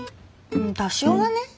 多少はね。